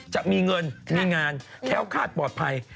จะมีเงินมีงานแค้วคาดปลอดภัย